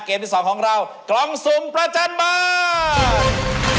เกมที่สองของเรากล่องสุมประจันบาร์